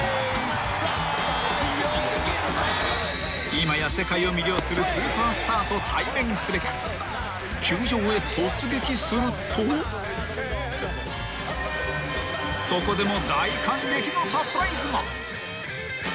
［今や世界を魅了するスーパースターと対面すべく球場へ突撃するとそこでも］